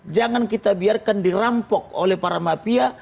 jangan kita biarkan dirampok oleh para mafia